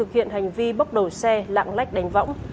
hiện hành vi bốc đầu xe lạng lách đánh võng